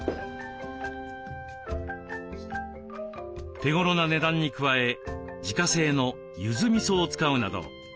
手頃な値段に加え自家製のゆずみそを使うなどおいしさは抜群。